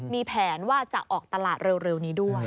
มีแผนว่าจะออกตลาดเร็วนี้ด้วย